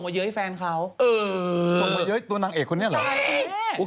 กระเทยเก่งกว่าเออแสดงความเป็นเจ้าข้าว